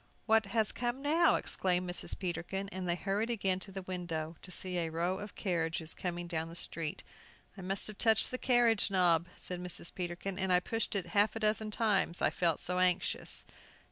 "What has come now?" exclaimed Mrs. Peterkin, and they hurried again to the window, to see a row of carriages coming down the street. "I must have touched the carriage knob," cried Mrs. Peterkin, "and I pushed it half a dozen times I felt so anxious!"